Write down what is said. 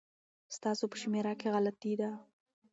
ستاسو په شمېره کي غلطي ده